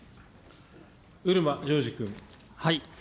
漆間譲司君。